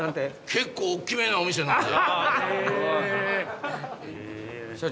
「結構大きめなお店なんで」。